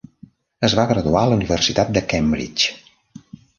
Es va graduar a la Universitat de Cambridge.